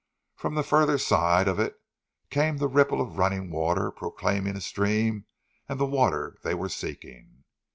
From the further side of it came the ripple of running water proclaiming a stream and the water they were seeking.